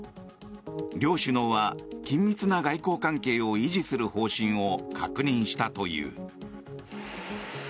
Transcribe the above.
両首脳は、緊密な外交関係を維持する方針を確認したという。